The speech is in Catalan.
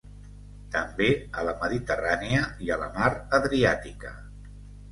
També a la Mediterrània i la Mar Adriàtica.